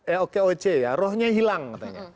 eh okeoce ya rohnya hilang